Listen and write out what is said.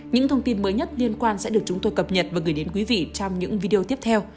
những thông tin mới nhất liên quan sẽ được chúng tôi cập nhật và gửi đến quý vị trong những video tiếp theo